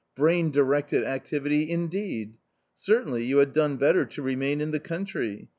brain directed activity indeed ! Certainly you had done better to remain in the country.